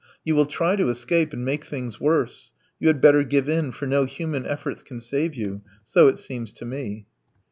You will try to escape and make things worse. You had better give in, for no human efforts can save you. So it seems to me."